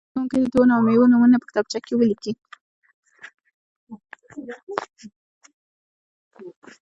زده کوونکي دې د ونو او مېوو نومونه په کتابچه کې ولیکي.